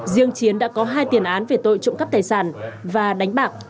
riêng chiến đã có hai tiền án về tội trộm cắp tài sản và đánh bạc